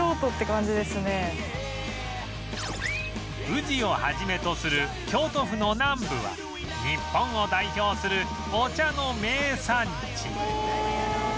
宇治をはじめとする京都府の南部は日本を代表するお茶の名産地